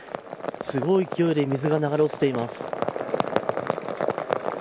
すごい勢いで水が流れ落ちています。